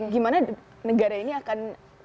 gimana negara ini akan